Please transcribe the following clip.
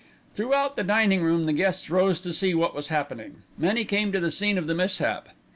Throughout the dining room the guests rose to see what was happening. Many came to the scene of the mishap.